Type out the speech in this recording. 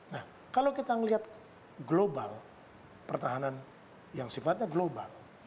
nah kalau kita melihat global pertahanan yang sifatnya global